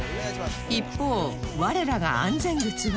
一方我らが安全靴は